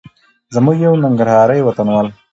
زموږ یو ننګرهاري وطنوال